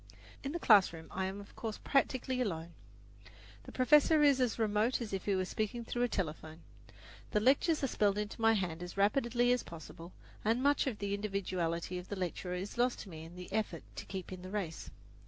In the classroom I am of course practically alone. The professor is as remote as if he were speaking through a telephone. The lectures are spelled into my hand as rapidly as possible, and much of the individuality of the lecturer is lost to me in the effort to keep in the race.